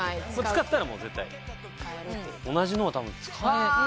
使ったらもう絶対。